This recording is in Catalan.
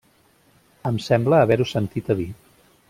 -Em sembla haver-ho sentit a dir.